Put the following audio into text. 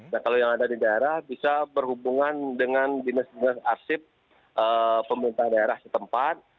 nah kalau yang ada di daerah bisa berhubungan dengan dinas dinas arsip pemerintah daerah setempat